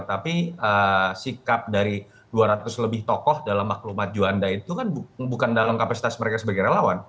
tapi sikap dari dua ratus lebih tokoh dalam maklumat juanda itu kan bukan dalam kapasitas mereka sebagai relawan